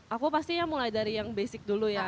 aku pastinya mulai dari yang basic dulu ya